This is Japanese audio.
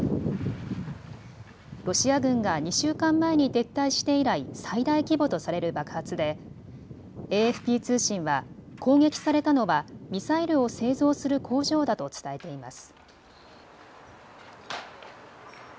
ロシア軍が２週間前に撤退して以来、最大規模とされる爆発でＡＦＰ通信は攻撃されたのはミサイルを製造する工場だと伝えています。